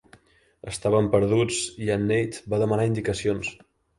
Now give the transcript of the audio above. Estàvem perduts i en Nate va demanar indicacions.